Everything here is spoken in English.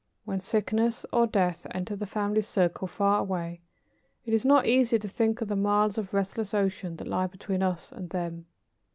When sickness or death enter the family circle far away, it is not easy to think of the miles of restless ocean that lie between us and them.